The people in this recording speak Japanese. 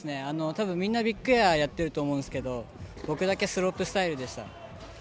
みんな、ビッグエアやっていたと思うんですけど僕だけスロープスタイルでした。